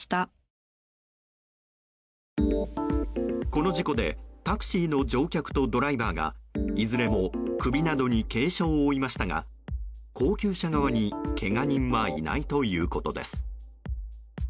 この事故でタクシーの乗客とドライバーがいずれも首などに軽傷を負いましたが高級車側にけが人はいないということです。